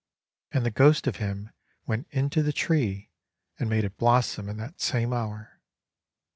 And the ghost of him went into the tree, and made it blossom in that same hour.